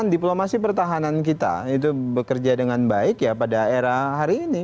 diplomasi pertahanan kita itu bekerja dengan baik ya pada era hari ini